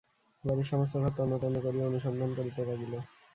বাড়ির সমস্ত ঘর তন্ন তন্ন করিয়া অনুসন্ধান করিতে লাগিল।